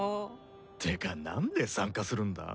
ってか何で参加するんだ？